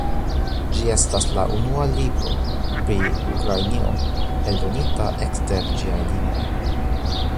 Ĝi estas la unua libro pri Ukrainio, eldonita ekster ĝiaj limoj.